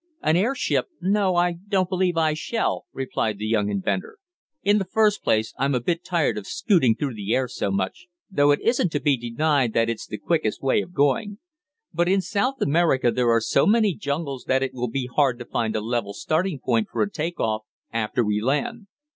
"An airship? No, I don't believe I shall," replied the young inventor. "In the first place, I'm a bit tired of scooting through the air so much, though it isn't to be denied that it's the quickest way of going. But in South America there are so many jungles that it will be hard to find a level starting ground for a take off, after we land.